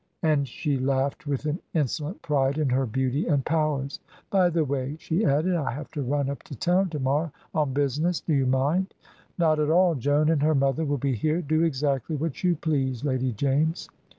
and she laughed with an insolent pride in her beauty and powers. "By the way," she added, "I have to run up to town to morrow on business. Do you mind?" "Not at all. Joan and her mother will be here. Do exactly what you please, Lady James."